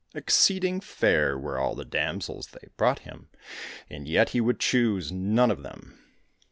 Exceeding fair were all the damsels they brought him, and yet he would choose none of them.